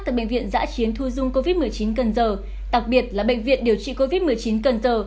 tại bệnh viện giã chiến thu dung covid một mươi chín cần giờ đặc biệt là bệnh viện điều trị covid một mươi chín cần giờ